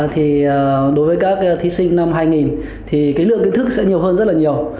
thì đối với các thí sinh năm hai nghìn thì cái lượng kiến thức sẽ nhiều hơn rất là nhiều